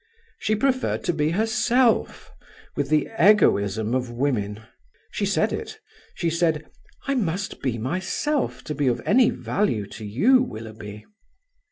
She preferred to be herself, with the egoism of women. She said it: she said: "I must be myself to be of any value to you, Willoughby."